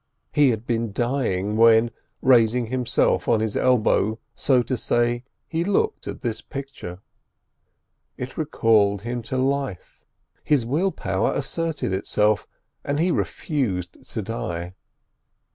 He had been dying, when, raising himself on his elbow, so to say, he looked at this picture. It recalled him to life. His willpower asserted itself, and he refused to die.